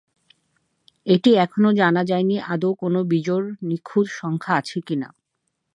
এটি এখনও জানা যায়নি আদৌ কোনো বিজোড় নিখুঁত সংখ্যা আছে কিনা।